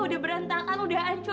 udah berantakan udah hancur